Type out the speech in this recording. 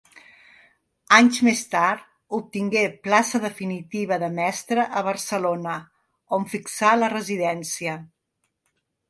Anys més tard obtingué plaça definitiva de mestre a Barcelona on fixà la residència.